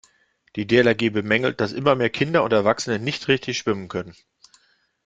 Die DLRG bemängelt, dass immer mehr Kinder und Erwachsene nicht richtig schwimmen können.